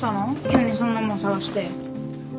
急にそんなもん探して。